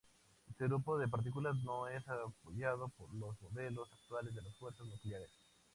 Este grupo de partículas no es apoyado por los modelos actuales de fuerzas nucleares.